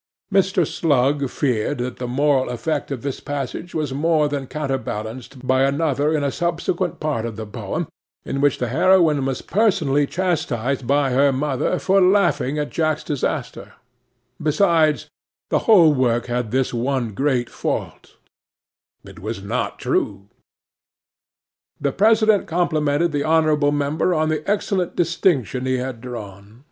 'MR. SLUG feared that the moral effect of this passage was more than counterbalanced by another in a subsequent part of the poem, in which very gross allusion was made to the mode in which the heroine was personally chastised by her mother "'For laughing at Jack's disaster;" besides, the whole work had this one great fault, it was not true. 'THE PRESIDENT complimented the honourable member on the excellent distinction he had drawn.